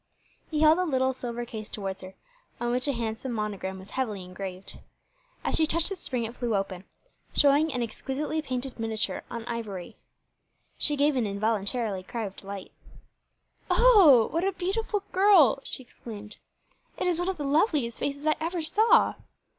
He held a little silver case towards her, on which a handsome monogram was heavily engraved. As she touched the spring it flew open, showing an exquisitely painted miniature on ivory. She gave an involuntary cry of delight. "What a beautiful girl," she exclaimed. "It is one of the loveliest faces I ever saw."